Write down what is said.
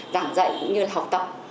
giảng dạy cũng như là học tập